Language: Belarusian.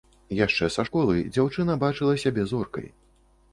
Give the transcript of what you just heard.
Яшчэ са школы дзяўчына бачыла сябе зоркай.